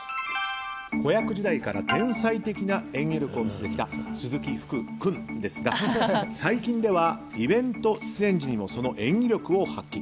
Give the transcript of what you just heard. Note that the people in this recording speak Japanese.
子役時代から天才的な演技力を見せてきた鈴木福君ですが最近ではイベント出演時にもその演技力を発揮。